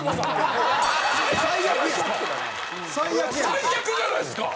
最悪じゃないですか！